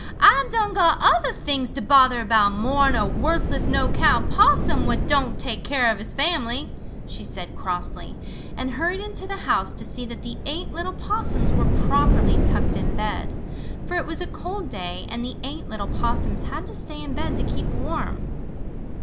Ah done got other things to bother about more'n a worthless, no'count Possum what don' take care of his fam'ly," she said crossly, and hurried into the house to see that the eight little Possums were properly tucked in bed, for it was a cold day, and the eight little Possums had to stay in bed to keep warm.